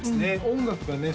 音楽がね